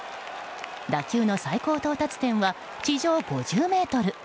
打球の最高到達点は地上５０ｍ。